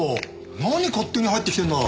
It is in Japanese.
何勝手に入ってきてんだ！